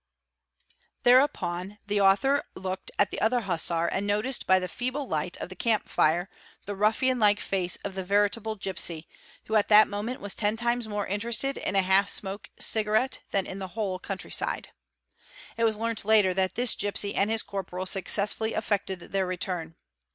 Mhereupon the author looked at the other hussar and noticed by the feeble ig at of the camp fire the ruffian like face of the veritable gipsy, who at hat moment was ten times more interested in a half smoked cigarette man. in the whole country side. It was learnt later that this gipsy and is corporal successfully effected their return.